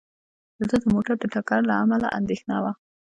د ده د موټر د ټکر له امله اندېښنه وه.